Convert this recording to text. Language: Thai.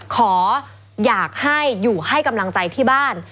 ขอให้อยู่ให้กำลังใจที่บ้าน